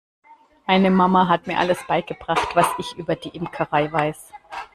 Meine Mama hat mir alles beigebracht, was ich über die Imkerei weiß.